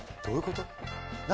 どういうこと？